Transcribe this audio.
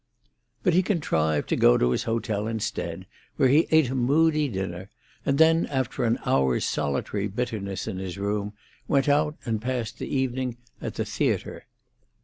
But he contrived to go to his hotel instead, where he ate a moody dinner, and then, after an hour's solitary bitterness in his room, went out and passed the evening at the theatre.